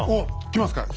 来ますか？